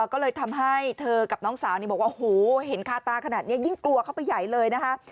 ก็เลยทำให้เธอกับน้องสาวบอกว่าโหเห็นคาตาขนาดนี้ยิ่งกลัวเข้าไปใหญ่เลยนะคะ